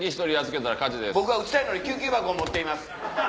僕は撃ちたいのに救急箱を持っています。